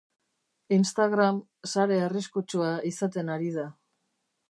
Instagram sare arriskutsua izaten ari da.